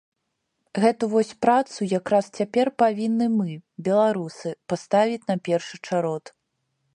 Гэту вось працу якраз цяпер павінны мы, беларусы, паставіць на першы чарод.